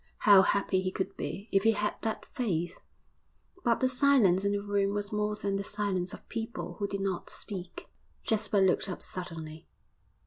How happy he could be if he had that faith.... But the silence in the room was more than the silence of people who did not speak. Jasper looked up suddenly.